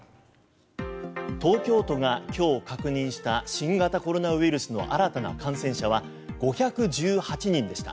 東京都が今日確認した新型コロナウイルスの新たな感染者は５１８人でした。